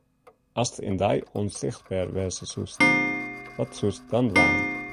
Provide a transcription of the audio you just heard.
Ast in dei ûnsichtber wêze soest, wat soest dan dwaan?